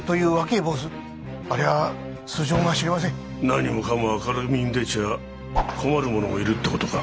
何もかも明るみに出ちゃ困る者もいるって事か。